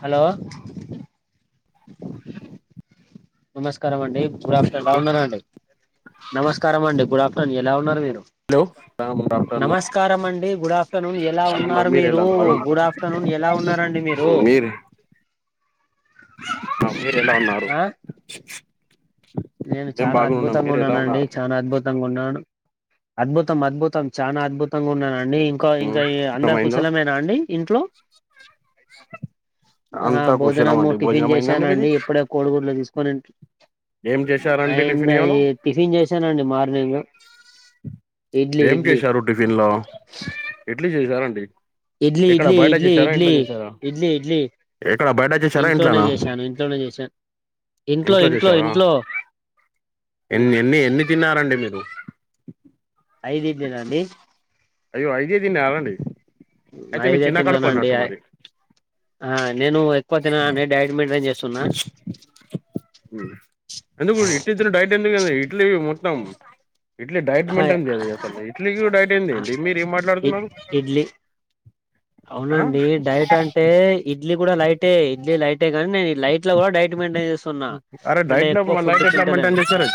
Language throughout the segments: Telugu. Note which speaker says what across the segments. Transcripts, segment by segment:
Speaker 1: హలో నమస్కారం అండి గుడ్ ఆఫ్టర్నూన్ ఎలా ఉన్నారండి నమస్కారం అండి గుడ్ ఆఫ్టర్నూన్ ఎలా ఉన్నారు మీరు
Speaker 2: హలో గుడ్ ఆఫ్టర్నూన్
Speaker 1: నమస్కారం అండి గుడ్ ఆఫ్టర్నూన్ ఎల
Speaker 2: బాగున్నాం
Speaker 1: ఉన్నారు
Speaker 2: ఎలా
Speaker 1: మీరు
Speaker 2: బాగున్నారా
Speaker 1: గుడ్ ఆఫ్టర్నూన్ ఎలా ఉన్నారు మీరూ
Speaker 2: మా మీరు ఎలా ఉన్నారు
Speaker 1: ఆ నేను
Speaker 2: మేం
Speaker 1: చాన
Speaker 2: బాగున్నాం
Speaker 1: అద్భుతంగా
Speaker 2: మీరు ఎలా
Speaker 1: ఉన్నానండి
Speaker 2: ఉన్నారు
Speaker 1: చానా అద్భుతంగా ఉన్నాను. అద్భుతం అద్భుతం చాలా అద్భుతంగా ఉన్నాను అండి ఇంక ఇంక అందరు
Speaker 2: అయిందా
Speaker 1: కుశలమేనా అండి ఇంట్లో ఆ
Speaker 2: అంతా కుశలం
Speaker 1: భోజనము
Speaker 2: అండి
Speaker 1: టిఫిన్
Speaker 2: భోజనం అయిందండి మీది
Speaker 1: చేసానండి ఇప్పుడే కోడిగూడ్లు తీసుకొని
Speaker 2: ఏం చేశారండి
Speaker 1: అయింద
Speaker 2: టిఫిన్ ఇయ్యాల
Speaker 1: ఈ టిఫిన్ చేశానండి మార్నింగ్ ఇడ్లీ
Speaker 2: ఏం
Speaker 1: ఇడ్లీ
Speaker 2: చేశారు టిఫిన్ లో ఇడ్లీ చేసారండి
Speaker 1: ఇడ్లీ ఇడ్లీ ఇడ్లీ ఇడ్లీ ఇడ్లీ ఇడ్లీ
Speaker 2: ఎక్కడ బయట చేశారా
Speaker 1: ఇంట్లోనే
Speaker 2: ఇంట్లోనా
Speaker 1: చేశాను ఇంట్లోనే చేసాను ఇంట్లో ఇంట్లో ఇంట్లో
Speaker 2: ఎన్ని ఎన్ని ఎన్ని తిన్నారండి మీరు
Speaker 1: ఐదు ఇడ్లీ నా అండి
Speaker 2: అయ్యో ఐదే తిన్నారా అండి
Speaker 1: ఐదే తిన్నానండి ఆ నేను ఎక్కువ తినను అండి డైట్ మెయింటైన్ చేస్తున్నా
Speaker 2: హు ఎందుకు ఇడ్లీ డైట్ ఎందుకు ఇడ్లీ మ ఇడ్లీ డైట్ మెయింటైన్ అది ఇడ్లీకి డైట్ ఏందిడి మీరు ఏం మాట్లాడుతున్నారు
Speaker 1: ఇడ్లీ
Speaker 2: ఆ
Speaker 1: అవునండి డైట్ అంటే ఇడ్లీ కూడా లైటే ఇడ్లీ లైట్ అంటే కాని నేను ఈ లైట్ లో కూడా డైట్ మెయింటైన్ చేస్తున్నా
Speaker 2: అరే
Speaker 1: అంటే
Speaker 2: డైట్ లో
Speaker 1: ఎక్కువ ఫుడ్
Speaker 2: డైట్ ఎట్లా
Speaker 1: తింటలేను
Speaker 2: మెయింటైన్ చేస్తారు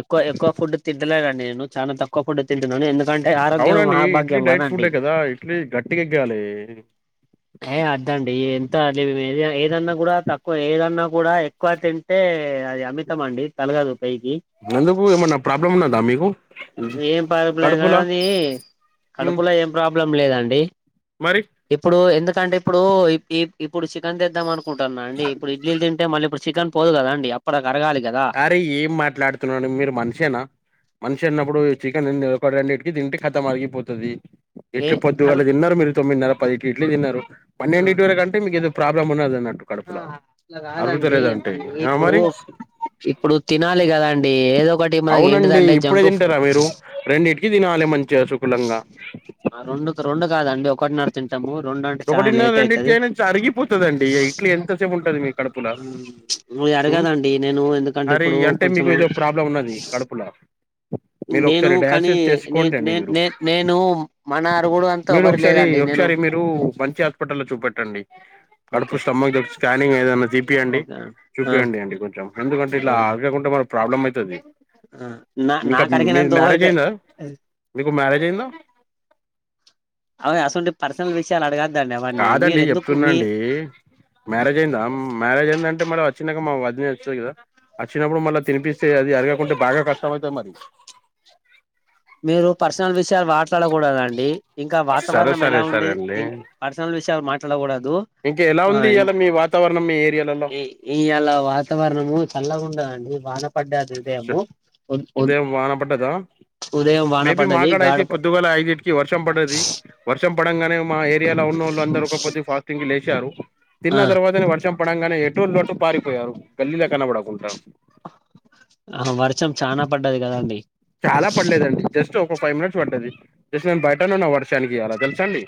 Speaker 1: ఎక్కువ ఎక్కువ ఫుడ్ తింటాలే అండి నేను చాలా తక్కువ ఫుడ్ తి ఎందుకంటే ఆరోగ్యం
Speaker 2: అవునండి ఇడ్లీ
Speaker 1: మహాభాగ్యం
Speaker 2: డైట్
Speaker 1: కదండి
Speaker 2: ఫుడ్డే కదా ఇడ్లీ గట్టిగా ఇగ్గాలి
Speaker 1: ఏ అద్దండి [unintelligible] ఏదన్నా కూడా తక్కువ ఏదన్నా కూడా ఎక్కువ తింటే అది అమితం అండి తలగదు పైకి
Speaker 2: ఎందుకు ఏమన్నా ప్రాబ్లం ఉన్నదా మీకు
Speaker 1: ఏం పరుపులు అయినా
Speaker 2: కడుపులా
Speaker 1: గానీ
Speaker 2: ఉమ్,
Speaker 1: కడుపులో ఏం ప్రాబ్లం లేదండి
Speaker 2: మరి
Speaker 1: ఇప్పుడు ఎందుకంటే ఇప్పుడు ఇప్పుడు చికెన్ [unintelligible] అనుకుంటున్న అండి ఇప్పుడు ఇడ్లీ తింటే మళ్ళీ ఇప్పుడు చికెన్ పోదు కదండి అప్పటి కరగాలి కదా
Speaker 2: అరే ఏం మాట్లాడుతున్నావ్ మీరు మనిషేనా మనిషి అన్నప్పుడు చికెన్ [unintelligible] తింటే ఖతం అరిగిపోతది
Speaker 1: ఏ
Speaker 2: ఇట్లా పొద్దుగాల
Speaker 1: అట్లా
Speaker 2: తిన్నారు మీరు తొమ్మిదిన్నర పది ఇ ఇట్లు తిన్నారు
Speaker 1: ఆ
Speaker 2: పన్నెండి ఇంటి వరకు కంటే మీకు ఏదో ప్రాబ్లమ్ ఉన్నది ఉన్నట్టు కడుపులో
Speaker 1: అట్లా
Speaker 2: అరుగుత
Speaker 1: కాదండి
Speaker 2: లేదంటే
Speaker 1: మళ్ళీ
Speaker 2: ఆ
Speaker 1: ఇప్పుడు
Speaker 2: మరి
Speaker 1: ఇప్పుడు తినాలి కదండి ఏదో ఒకటి మనకి
Speaker 2: అవునండి
Speaker 1: ఏంటిదంటే
Speaker 2: ఇప్పుడే
Speaker 1: జంక్ ఫుడ్
Speaker 2: తింటారా మీరు రెండింటికి తినాలి మంచి మంచిగా శుకులంగా
Speaker 1: రెండు రెండు కాదండి ఒకటిన్నర కి తింటాము రెండు అంటే చాలా
Speaker 2: ఒకటిన్నర
Speaker 1: లేట్
Speaker 2: రెండిటికి
Speaker 1: అయితది
Speaker 2: ఉంటాది మీ కడపులా
Speaker 1: అది
Speaker 2: హు
Speaker 1: అడగదండి నేను ఎందుకంటే
Speaker 2: అరి
Speaker 1: ఇప్పుడు
Speaker 2: అంటే మీకు
Speaker 1: కొంచెము
Speaker 2: ఏదో ప్రాబ్లం ఉన్నది కడుపులో మీరు
Speaker 1: నేను
Speaker 2: ఒకసారి
Speaker 1: కానీ
Speaker 2: డయాసిస్
Speaker 1: నే
Speaker 2: చేసుకోండి అండి
Speaker 1: నే
Speaker 2: మీరు
Speaker 1: నే నేను మన అరుగుడు అంతా
Speaker 2: మీరు
Speaker 1: ఎవరు
Speaker 2: ఒకసారి
Speaker 1: లేదండి నేను
Speaker 2: ఒకసారి మీరు మంచి హాస్పిటల్లో లో చూపెట్టండి కడుపు
Speaker 1: ఓకే
Speaker 2: స్టమక్ స్స్కానింగ్ ఏదైనా దీపియంండి
Speaker 1: ఓకే ఆ
Speaker 2: చూపియండి అండి కొంచెం ఎందుకంటే ఇట్లా
Speaker 1: ఆ
Speaker 2: అరగక ఉంటే మన ప్రాబ్లం అయితది
Speaker 1: ఆ నా
Speaker 2: మీకా
Speaker 1: నాకు
Speaker 2: మీ
Speaker 1: అడిగినంత
Speaker 2: మ్యారేజ్
Speaker 1: వరకు
Speaker 2: అయిందా మీకు మ్యారేజ్ అయిందా
Speaker 1: అవును అసవంటి పర్సనల్ విషయాలు అడగద్దు
Speaker 2: కాదండి చెప్తున్నాండి మ్యారేజ్ అయిందా మ్యారేజ్ ఏందంటే మ వచ్చిన మ వద వచ్చా వచ్చినప్పుడు మళ్ళీ తినిపిస్తే అది అరగకుంటే బాగా కష్టం అవుతంది మరి
Speaker 1: మీరు పర్సనల్ విషయాలు మాట్లాడకూడదండి ఇంకా
Speaker 2: సరే
Speaker 1: వాతావరణం
Speaker 2: సరే
Speaker 1: ఎలా
Speaker 2: సరే
Speaker 1: ఉండే
Speaker 2: అండి
Speaker 1: ఇం పర్సనల్ విషయాలు మాట్లాడకూడదు
Speaker 2: ఇంకా ఎలా
Speaker 1: ఆ
Speaker 2: ఉంది ఇయాలా మీ వాతావరణం మీ ఏరియాలలో
Speaker 1: ఇ అలా వాతావరణము చల్లకుండ అడి వా
Speaker 2: ఉదయం వాన పడ్డదా
Speaker 1: ఉదయం వాన
Speaker 2: మేబి
Speaker 1: పడ్డది
Speaker 2: మాక్కడ
Speaker 1: గాడ
Speaker 2: అయితే పొద్దుగాల ఐదుటికి వర్షం పడది వర్షం పడంగానే ఏరియాలో ఉన్న వాళ్ళు అందరు ఒక ఫాస్టింగ్ లేరు తిన్న తర్వాతే వర్షం చెప్పడంగానే ఎటో లోటు పారిపోయారు గల్లీలో కనపడకుంట
Speaker 1: ఆ వర్షం చనా పడ్డది కదండి
Speaker 2: ఫ ఫైవ్ మినిట్ పడది జస్ట్ నేను బయటను్ వర్నికి ఇలా తెలుసండి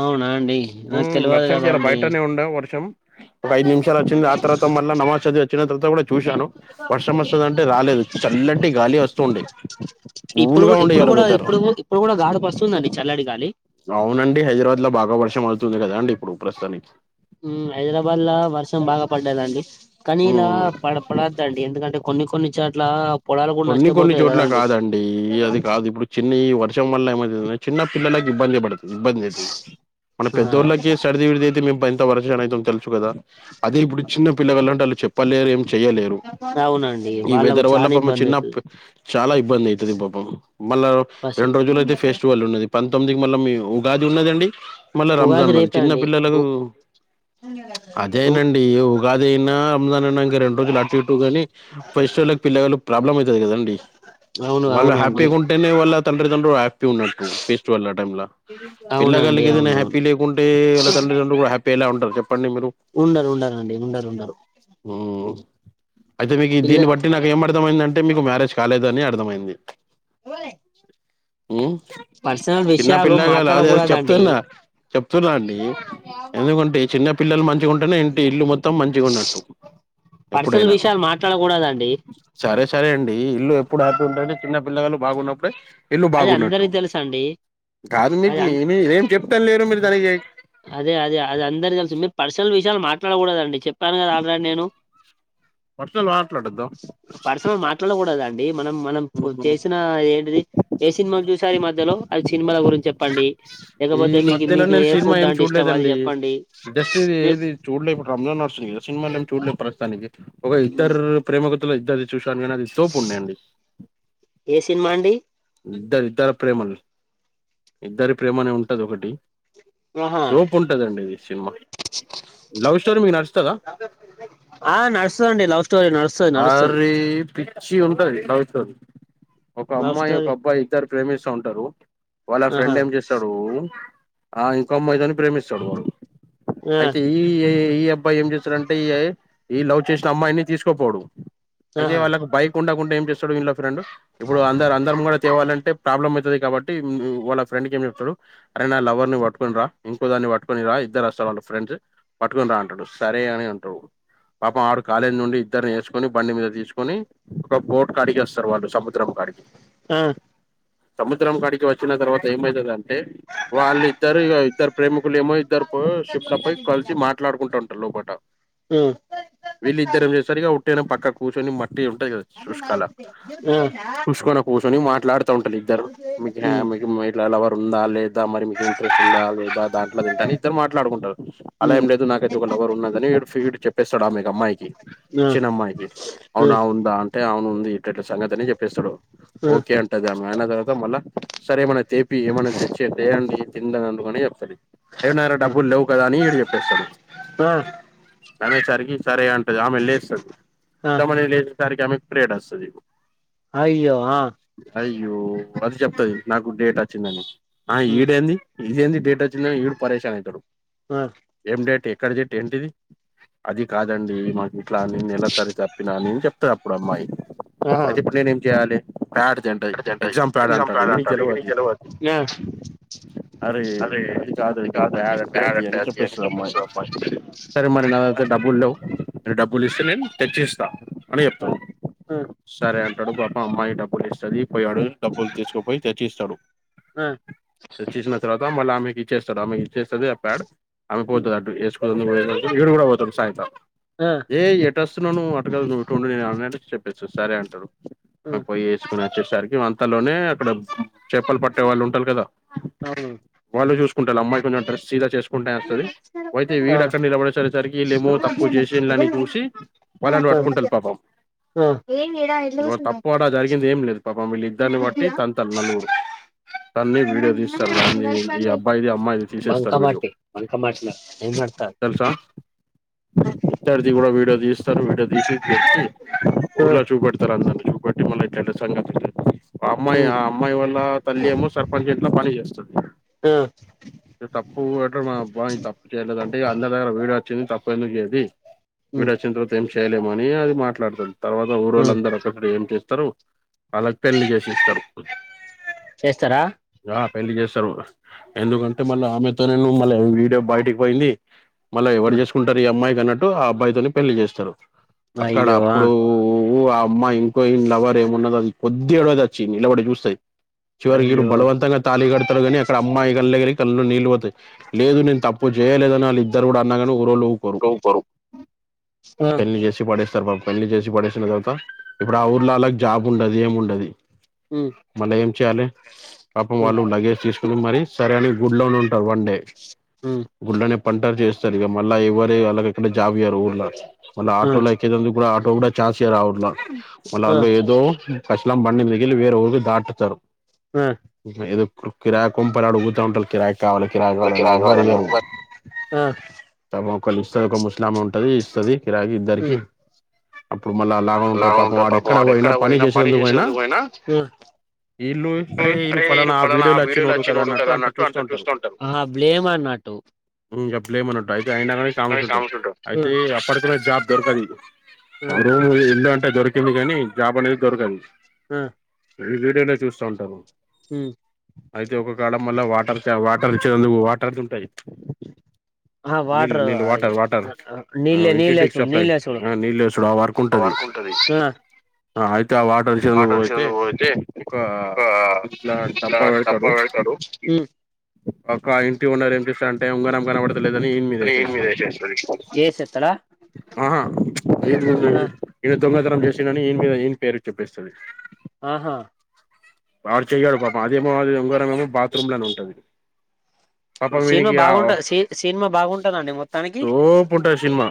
Speaker 1: అవునా అండి
Speaker 2: హ
Speaker 1: నాకు తెలవదు
Speaker 2: వర్షానికి ఇలా
Speaker 1: కదండి
Speaker 2: బయటనే ఉండవు వర్షం ఒక ఐదు నిమిషాలు వచ్చింది ఆ తర్వాత మళ్ళీ నమాజ్ చది వచ్చిన తర్వాత కూడా చూశాను వస్తుందింటే రాలేదు చల్లంటే గాలి వస్తుండడి
Speaker 1: ఇప్పుడు కూడా ఇప్పుడు కూడా ఇప్పుడు ఇప్పుడు కూడా గాడ వస్తుందండి చల్లడి గాలి
Speaker 2: అవునండి హైదరాబాద్ లో బాగా వర్షం అవుతుంది కదా అండి ఇప్పుడు ఉపస్తుతానికి
Speaker 1: హైదరాబాద్ లో వర్షం బాగా పడ్డదండి కనీ ఇలా
Speaker 2: ఉమ్
Speaker 1: పడ పడద్దండి ఎందుకంటే కొన్ని కొన్ని చాట్ల
Speaker 2: కొన్ని కొన్ని చోట్ల కాదండి అది కాదు ఇప్పుడు చిన్న ఈ వర్షం వల్ల ఏమైతు చిన్న పిల్లలకు ఇబ్బంది పడుతుంది ఇబ్బంది అవుతుంది మనం
Speaker 1: ఆ
Speaker 2: పెద్దోఊళ్లక సడిది విడిది అయితే మేము వ అ తెలుసు కదా అదే ఇప్పు చిన్న పల్లల్ అంటే వాళ్ళ చెప్పలేరు చెయలేరు
Speaker 1: అవునండి
Speaker 2: ఈ
Speaker 1: వాళ్ళకు
Speaker 2: వెదర్ వల్ల
Speaker 1: చానా ఇబ్బంది
Speaker 2: చిన్న
Speaker 1: అయితది
Speaker 2: చాలా ఇబ్బంది అవుతుది పాపం మళ్ళా
Speaker 1: పసి
Speaker 2: రెండు రోజులు అయితే ఫెస్టివల్ ఉన్నది ప పంతొమ్దికి మళ్ళా మీ ఉగాది ఉన్నదండి మళ్ళీ రంజాన్
Speaker 1: ఉగాది
Speaker 2: ఉన్నది
Speaker 1: రేపే
Speaker 2: చిన్న
Speaker 1: అండి ఉ
Speaker 2: పిల్లలకు అదే
Speaker 1: ఉ
Speaker 2: అనండి ఉగాది అయినా రంజాన్ అంక రెండు రోజులు అటు ని ఫస్ట్కి పిల్లవాళ్ళు ప్రాబ్లమ్ అవుతు కదండి
Speaker 1: అవును
Speaker 2: వాళ్ళు
Speaker 1: అవునండి
Speaker 2: హ్యాపీగా ఉంటేనే వాళ్ళ తండ్రి తండ్రు హ్యాపీ ఉన్నట్టు ఫెస్టివల్ టైలా పిల్ల
Speaker 1: అవునండి
Speaker 2: గలికి ఏదైనా
Speaker 1: అవునవును
Speaker 2: హ్యాపీ లేకుంటే ఇళ్ళ తండ్రిండ హ్యాపీ పడి మీరు
Speaker 1: ఉండరు ఉండరండి ఉండరు ఉండరు
Speaker 2: అయితే మీకు
Speaker 1: పిల్ల
Speaker 2: దీన్ని బట్టి నాకు ఏం అర్థమయిందింటే మీకు మ్యారేజ్ కాలేదు అని అర్థమయింది
Speaker 1: వలే
Speaker 2: చిన్న పిల్ల కాలు అది అది
Speaker 1: మాట్లాడకూడదండి
Speaker 2: చెప్తున్నా చెప్తున్నా అండి ఎందుకంటే చిన్న పిల్లలు మంచిగా ఉంటేనే ఇంటి ఇల్లు మొత్తం మంచిగా ఉన్నట్టు
Speaker 1: పర్సనల్
Speaker 2: ఎప్పుడైనా
Speaker 1: విషయాలు మాట్లాడకూడదండి
Speaker 2: సరే సరే అండి ఇల్లు ఎప్పుడు ఆడుతుంటే చిన్న పిల్లలు బాగున్నప్పుడే ఇల్లు
Speaker 1: అది
Speaker 2: బాగున్నట్టు
Speaker 1: అందరి తెలుసా అండి
Speaker 2: కాదు మీకు మీ ఏం చెప్పటం లేరు మీరు తరిగే
Speaker 1: అదే అదే అది అందరి తెలుసు మీరు పర్సనల్ విషయాలు మాట్లాడకూడదండి చెప్పాను కదా ఆల్రెడీ నేను
Speaker 2: పర్సనల్ మాట్లాడొద్దు
Speaker 1: పర్సన మాట్లాడ చూడదండి మనం మనం చేసిన ఏంటిది చూసారి మధ్యలో సినిమాల గురించి చెప్పండి
Speaker 2: ఈ
Speaker 1: లేకపోతే మీకు
Speaker 2: మధ్యలో
Speaker 1: మీకు
Speaker 2: నేను
Speaker 1: ఏ
Speaker 2: సినిమా
Speaker 1: ఫుడ్
Speaker 2: ఏం
Speaker 1: అంటే ఇష్టం అది చెప్పండి మీరు
Speaker 2: ది చూడలేప్పుడు రంజాన్ నడుస్తుద సినిమా చూడలేదు ప్రస్తుతానికి ఒక ఇద్దరు ప్రేమకుతల ఇద్ద చూ ది సోపు ఉన్నాయండి
Speaker 1: ఏ సినిమా అండి
Speaker 2: ఇద్దది ఇద్దర ప్రేమలు ఇద్దరి ప్రేమ అనే ఉంటది ఒకటి
Speaker 1: ఆహా
Speaker 2: సోపు ఉంటదండి ఇది సినిమా లవ్ స్టోరీ మీకు నచ్చుతదా
Speaker 1: ఆ నడుస్తుద అండి లవ్ స్టోరీ నడుస్తుది నడుస్తుది
Speaker 2: అరే పిచ్చి ఉంటది లవ్ తోని ఒక
Speaker 1: లవ్
Speaker 2: అమ్మాయి ఒక
Speaker 1: స్టోరీ
Speaker 2: అబ్బాయి ఇద్దరు ప్రేమిస్త ఉంటారు వాళ్ళ ఫ్రెండ్
Speaker 1: ఆహా
Speaker 2: ఏం చేస్తాడూ ఆ ఇంకో అమ్మాయి తోని ప్రేమిస్తడు వాడు
Speaker 1: ఆ
Speaker 2: అయితే ఈ ఏ మ్ అబ్బాయి ఏం చేస్తారంటే ఈ లవ్ చేసిన అమ్మాయిని తీసుకోపోడు అయితే
Speaker 1: ఆహా
Speaker 2: వాళ్ళకి బైక్ ఉండ ఐతే ఏం చేస్తాడు వీళ్ళ ఫ్రెండ్ ఇప్పుడు అందరు అందరం ముందు తేవాలంటే ప్రాబ్లం అవుతుది కాబట్టి వాళ్ళ ఫ్రెండ్కి ఏం చెప్తడు అరే నా లవర్ ని పట్టుకుని రా ఇంకో దాన్ని పట్టుకొని రా ఇద్దరు వస్తారు వాళ్ళ ఫ్రెండ్స్ పట్టుకు రా సరే అని అంటరు పాప ఆడు కాలేజీ నుండి ఇద్దరుని వేసుకొని బండి మీద తీసుకొని ఒక బోట్ కాడికి వస్తారు వాళ్ళు సముద్రం కాడికి
Speaker 1: ఆ
Speaker 2: సముద్రం కాడికి వచ్చిన తర్వాత ఏమైతది అంటే వాళ్ళ ఇద్దరు ఇద్దరు ప్రేమికులు ఏమో ఇద్దరు షిప్ లో పో కలిసి మాట్లాడుకుంటు లోపట
Speaker 1: అ
Speaker 2: వీళ్ళి ఇద్దరు ఏం చేస్తారు ఇక ఉట్టేనా పక్కన కూర్చొని మట్టి ఉంటాయి కదా శుష్కాల శుషాక్క కూర్చొని మాట్లాడుతూ ఉంటారు ఇద్దరు మీకు లవర్ ఉందా లేదా మరి మీకు ఇంట్రెస్ట్ ఉందా లేదా దాంట్లో తింట అని ఇద్దరు మాట్లాడుకుంటారు అలా ఏం లేదు నాకైతే ఒక లవర్ ఉన్నదని వీడు చెప్పేస్తాడు ఆమె కీ అమ్మాయికి చిన్న అమ్మాయికి అవునా ఉందా అంటే అవును ఇట్లా సంగతి అని చెప్పేస్తాడు ఓకే అంటది ఆమె అయిన తర్వాత మళ్ళా సరేమన తెప్పి ఏమన్న తెచ్చేది దే అంది తింద అనుకుని చెప్తది ఏడున్నాయి రా డబ్బులు లేవు కదా అని వీడు చెప్పేస్తాడు అనేసరికి సరే అన్ ఆమె లేస్తది తమరి లేసేసరికి ఆమెకి పిరియడ్ వస్తది
Speaker 1: అయ్యో అ
Speaker 2: అయ్యో మల్లి చెప్తది నాకు డేట్ వచ్చిందని ఆ ఈడే ఏంది ఇది ఏంది డేట్ వచ్చిన ఈడు పరేశాన్ అయితాడు ఎం డేటే ఏక్కడ జట్టు ఏంటిది అది కాదండి ఇట్లా అని నెలసారి తప్పినా అని చెప్తాది అప్పుడు అమ్మాయి
Speaker 1: ఆహా
Speaker 2: అయితే ఇప్పుడు నేనేం చెయాలే ప్యాడ్ తా అంటది ఎగ్జామ్ ప్యాడ్ అంటాడు ఇడి
Speaker 1: డిగ్రీ కీ సెలవా యా
Speaker 2: అరే అది కాదు అండి ప్యాడ్ అంటే అది అని చెప్పేస్తాది అమ్మాయి సరే మరి నా
Speaker 1: అమ్మాయి
Speaker 2: డబ్బులు లేవు డబ్బులు ఇస్తే నేను తెచ్చిస్తా అని
Speaker 1: ఆ
Speaker 2: చెప్తాను సరే అంటాడు పాపము అమ్మాయి డబ్బులు చదివిపోయాడు డబ్బులు తీసుకుపోయి తెచ్చిస్తడు
Speaker 1: ఆ
Speaker 2: తెచ్చిసిన తర్వాత మళ్ళీ ఆమె ఇచ్చేస్తాడు ఆమె ఇచ్చేస్తది అ ప్యాడ్ ఆమె పోతది అటు వేసుకోనదుకు ఇడు కూడా పోతాడు సాయంత్రం
Speaker 1: ఆ ఆ
Speaker 2: ఏ ఎటు వస్తున్నావు నువ్వు అటు కాదు నువ్వు ఇటు ఉండూ అని చెప్పేస్తా సరే అంటాడు పోయి వేసుకుని వచ్చేసరికి అంతలోనే అక్కడ చేపలు పట్టే వాళ్ళు ఉంటరు కదా
Speaker 1: అవును
Speaker 2: వాళ్ళు చూసుకుంటారు అమ్మాయి కొంచెం డ్రెస్సి గ చేసుకుంటేనే వస్తది అయితే
Speaker 1: ఆ అవును ఆ
Speaker 2: వీడు అక్కడ నిలబడేసేసరికి వీళ్లేమో తప్ ప్పు చేసిన దాని చూసి వాళ్ళని పట్టుకుంటారు పాపం
Speaker 1: ఆ
Speaker 2: ఇంక తప్పు ఆడ జరిగింది ఏం లేదు పాపం వీళ్ళిద్దరిని బట్టి తంతర్ నలుగురు తన్ని వీడియో తీ ఇస్తరు దాన్ని విన్నీ ఈ అబ్బాయిది అమ్మాయిది తీసేస్తారు వీడియో
Speaker 1: బంకమట్టి బంకమట్టిన ఏం పెడతారు
Speaker 2: తెలుసా ఇద్దరిది కూడ వీడియో తీస్తారు వీడియో తీసి తెచ్చి ఊర్లో చూపెడతారు అందరి చూపెట్టి మళ్లి ఇట్లాన్టీ సంగతి ఆ అమ్మాయి ఆ అమ్మాయి వాల్ల తల్లి ఏమో సర్పంచ్ ఇంట్లో పని చేస్తది
Speaker 1: ఆ
Speaker 2: తప్పు ఎటున్నది అబ్బా ఈ తప్పు చేయలేదు అంటే ఇ అందరి దగ్గర వీడియో వచ్చింది తప్ప ఎందుకు చేయది వీడు వచ్చిన తర్వాత ఏం చేయలేమని అది మాట్లాడుతది తర్వాత
Speaker 1: ఆ
Speaker 2: ఊరోళ్లందరూ అక్కడ ఏం చేత్తరు వాళ్ళకి పెళ్లి చేసేస్తారు
Speaker 1: చేస్తారా
Speaker 2: పెళ్లి చేస్తరు ఎందుకంటే మళ్ళీ ఆమెతో నువ్వు మళ్ళ వీడియో బయటికి పోయింది మళ్ళ ఎవరు చేసుకుంటారు ఈ అమ్మాయికి అన్నట్టు ఆ అబ్బాయితో నే పెళ్లి చేస్తారు అక్కడ
Speaker 1: అయ్యో ఆ
Speaker 2: అప్పుడు ఊ్ ఆ అమ్మా ఇంకో ఇం లవర్ ఏము ఉన్నో అది కొద్ది ఏడోది వచ్చి నిలబడి చూస్తది చివరికిీడు
Speaker 1: అయ్యో
Speaker 2: బలవంతంగా తాళి కడతడు కానీ అక్కడ అమ్మాయి కళ్ళలి కళ్ళు నీళ్లు పో లేదు నేను తప్పు చేయలేదని వాళ్ళు ఇద్దరు కూడా అన్నగలు ఊరోళ్ళు ఊరుకోరు
Speaker 1: సూపరు ఆ
Speaker 2: పెళ్లి చేసి పడేస్ తర్ బ పెళ్లి చేసి పడేసిన తర్వాత ఇప్పుడు ఆ ఊర్లల జాబ్ ఉండది ఏమి ఉండదు
Speaker 1: ఉమ్
Speaker 2: మళ్ళా ఏం చేయాలి పాపం
Speaker 1: ఉమ్
Speaker 2: వాళ్ళు లగేజ్ తీసుకుని మరి సరే అని గుడ్ లో ఉ త వన్ డే
Speaker 1: ఉమ్
Speaker 2: గుళ్ళనే పంటరు చేస్తారు ఇక మళ్ళా ఎవరే
Speaker 1: ఆ
Speaker 2: అలాగ ఇక్కడ జాబియరు ఊర్లో మళ్ళా ఆటోలో ఎక్కిలు కూడా ఆటో కూడా రావుర్లా మళ్ళ
Speaker 1: ఆ
Speaker 2: వాళ్ళు ఏదో పస్లాం బండి దిగిలి వేరే ఊరికి దాటుతారు
Speaker 1: ఆ
Speaker 2: ఏదో కిరాంపల అడుగుతా ఉంట కిరాయి కావాలికిి రాజ
Speaker 1: పనికి
Speaker 2: వాళ్ళని
Speaker 1: రాని
Speaker 2: ఎవ్వరియ్యరు
Speaker 1: ఎవ్వర్ ఆ
Speaker 2: త ఒకళ ఇస్తుంది ఒక ముస్లామ ఉంటది ఇస్తుంది కిరాగి ఇద్దరికి
Speaker 1: ఉమ్
Speaker 2: ఇప్పుడు మళ్ళీ అలాగ ఉంటారు పాపం వాడ ఎక్కడ పోయినా పని చేసేందుకు అయినా వీళ్ళు అరే ఈ ఫలానా
Speaker 1: ఈడు
Speaker 2: ఆ వీడియోలు
Speaker 1: వీడియోలో
Speaker 2: వచ్చినోడు కదా అన్నట్టు అంత చూస్తూ
Speaker 1: అంట
Speaker 2: ఉంటారు
Speaker 1: చూస్తుంటారు ఆ బ్లేమ్ అన్నట్టు
Speaker 2: ప్పు లేమ అన్నట్టు అయితే అయినా కానే
Speaker 1: ఆ
Speaker 2: కామ
Speaker 1: ఆ
Speaker 2: చ
Speaker 1: ఆ
Speaker 2: అయితే అప్పటి కూడా జాబ్ టది ఆ రూమ్ ఎల్ళ అంటే దొరికింది కానీ జాబ్ అనేది దొరకదు
Speaker 1: ఉం
Speaker 2: ఈ వీడియోనే చూస్తా ఉంటాము అయితే ఒక కాడ మళ్ళ వాటర్ వాటర్ ఇచ్చేందుకు వాటర్ పరి
Speaker 1: ఆ
Speaker 2: [unintelligible] నీళ్ళు
Speaker 1: వాటర్
Speaker 2: నీళ్ళు వాటర్ వాటర్
Speaker 1: నీళ్ళే
Speaker 2: ఇంటింటికీ
Speaker 1: నీళ్ళేసుడు
Speaker 2: సప్లై
Speaker 1: నీళ్ళేసుడు
Speaker 2: ఆ నీళ్ళు వేసుడు ఆ వర్క్ ఉంటది
Speaker 1: వర్క్ ఉంటది
Speaker 2: అహ అయితే ఆ వాటర్
Speaker 1: ఆటో తీసేందుకు పోతే
Speaker 2: [unintelligible] ఒక ఇట్లా డబ్బా పెడతాడు ఒక్క ఇంటి ఓనర్ ఏం చేస్తారు అంటే ఉంగరం కనబడతలేదని ఇయన మీద
Speaker 1: అని ఈయన
Speaker 2: వేసేస్తది
Speaker 1: ఏసేస్తది ఏసేత్తడా
Speaker 2: ఆా ఏ
Speaker 1: ఆ
Speaker 2: ఇ తొంగ [unintelligible] చేసిని ఈ మీద ఈ పేరు చెప్పేస్తుంది [unintelligible]
Speaker 1: ఆహా
Speaker 2: వాడు చెయ్యడు పాపం అదేమో అది ఉంగరం ఏమో బాత్రూమ్ లోనే ఉంటది పాపం
Speaker 1: సినిమా
Speaker 2: వీనికి ఇగ
Speaker 1: బాగుంట సి సినిమా బాగుంటదండి మొత్తానికి
Speaker 2: తోపుంటధి సినిమా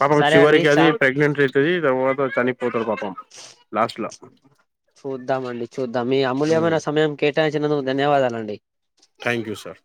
Speaker 2: పాప
Speaker 1: సరే అండి
Speaker 2: చివరికి అది
Speaker 1: చా
Speaker 2: ప్రెగ్నేనెంట్ అయితది తర్వా చనిపోతడు పాపం లాస్ట్ లో
Speaker 1: చూద్దామండి చూద్దాం మీ అమూల్యమైన సమయం కేటాయించినందుకు ధన్యవాదాలండి
Speaker 2: థ్యాంక్ యూ సార్